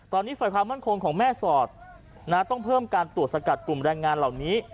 ตอนนี้ฝ่ายความมั่นคงของแม่สอดต้องเพิ่มการตรวจสกัดกลุ่มแรงงานเหล่านี้